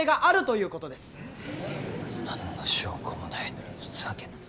何の証拠もないのにふざけんな。